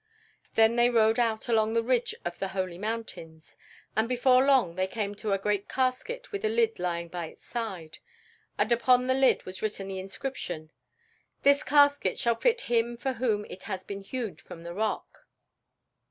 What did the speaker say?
Then they rode out along the ridge of the Holy Mountains, and before long they came to a great casket with a lid lying by its side, and upon the lid was written the inscription, "This casket shall fit him for whom it has been hewn from the rock."